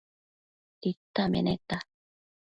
Tita meneta